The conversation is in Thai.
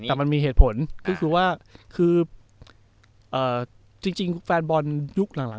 ไม่มีแต่มันมีเหตุผลคือคือว่าคือเอ่อจริงจริงแฟนบอลยุคหลังหลัง